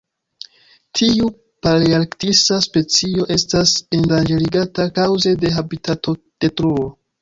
Tiu palearktisa specio estas endanĝerigata kaŭze de habitatodetruo.